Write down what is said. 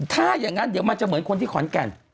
ถ้าอย่างนั้นเดี๋ยวมันจะเหมือนคนที่ขอนแก่น